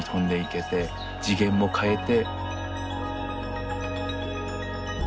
次元も変えて。